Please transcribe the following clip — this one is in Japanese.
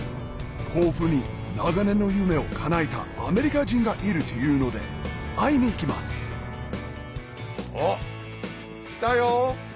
甲府に長年の夢をかなえたアメリカ人がいるというので会いに行きますあっ来たよ！